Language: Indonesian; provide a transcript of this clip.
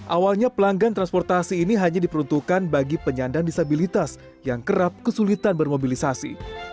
awalnya pelanggan transportasi ini hanya diperuntukkan bagi penyandang disabilitas yang kerap kesulitan bermobilisasi